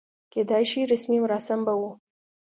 کېدای شي رسمي مراسم به و.